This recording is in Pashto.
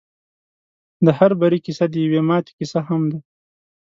د هر بري کيسه د يوې ماتې کيسه هم ده.